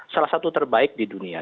salah satu terbaik di dunia